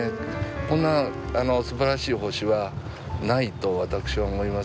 こんなすばらしい星はないと私は思います。